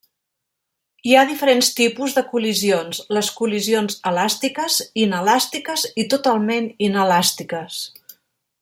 Hi ha diferents tipus de col·lisions, les col·lisions elàstiques, inelàstiques i totalment inelàstiques.